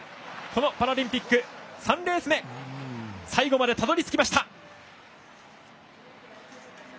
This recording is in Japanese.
このパラリンピック３レース目最後までたどり着きました。